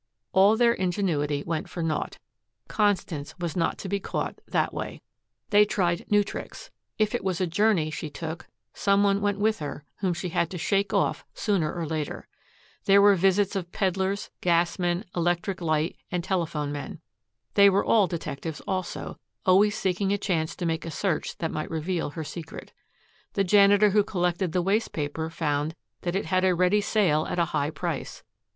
All their ingenuity went for naught. Constance was not to be caught that way. They tried new tricks. If it was a journey she took, some one went with her whom she had to shake off sooner or later. There were visits of peddlers, gas men, electric light and telephone men. They were all detectives, also, always seeking a chance to make a search that might reveal her secret. The janitor who collected the waste paper found that it had a ready sale at a high price.